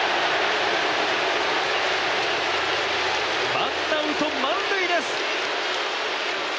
ワンアウト満塁です。